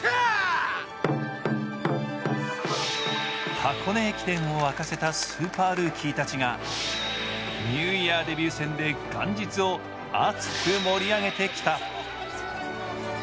箱根駅伝を沸かせたスーパールーキーたちがニューイヤーデビュー戦で元日を熱く盛り上げてきた。